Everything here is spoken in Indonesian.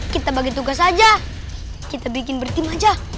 kita bagi tugas aja kita bikin bertim aja